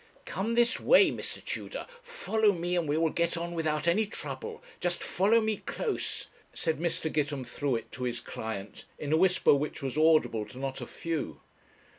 'Come this way, Mr. Tudor; follow me and we will get on without any trouble; just follow me close,' said Mr. Gitemthruet to his client, in a whisper which was audible to not a few.